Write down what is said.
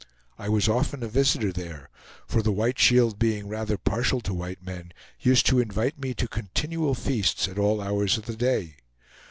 I was often a visitor there, for the White Shield being rather partial to white men, used to invite me to continual feasts at all hours of the day.